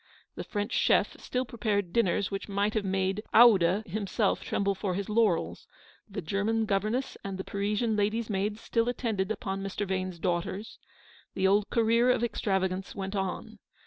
The French chef still prepared dinners which might have made Oude himself tremble for his laurels; the German governess and the Parisian lady's maids still attended upon Mr. Vane's daughters ; the old career of extravagance went on.